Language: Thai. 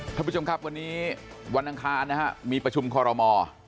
ทุกคนผู้ชมครับวันนี้วันนางคานะครับมีประชุมขอละมอ